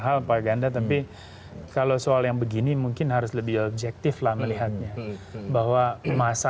hal pak ganda tapi kalau soal yang begini mungkin harus lebih objektif lah melihatnya bahwa masa